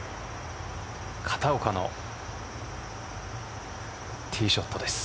片岡のティーショットです。